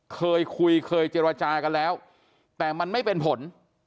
เคยคุยเคยเจรจากันแล้วแต่มันไม่เป็นผล